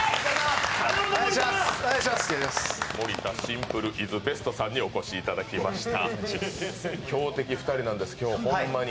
盛田シンプルイズベストさんにお越しいただきました。